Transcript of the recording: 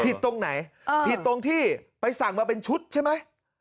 ตรงไหนผิดตรงที่ไปสั่งมาเป็นชุดใช่ไหม